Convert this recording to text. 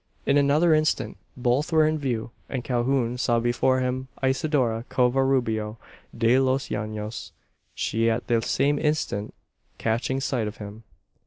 In another instant both were in view; and Calhoun saw before him Isidora Covarubio de los Llanos; she at the same instant catching sight of him!